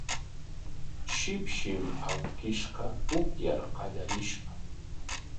Shipshim awkishqa upyar qallarishqa